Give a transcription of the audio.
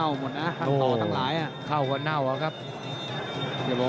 โอ้โหแดงโชว์อีกเลยเดี๋ยวดูผู้ดอลก่อน